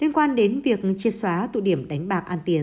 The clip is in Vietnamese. liên quan đến việc chia xóa tụ điểm đánh bạc an tiền